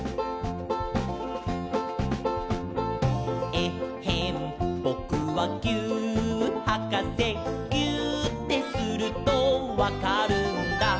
「えっへんぼくはぎゅーっはかせ」「ぎゅーってするとわかるんだ」